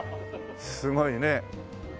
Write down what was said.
すごいね。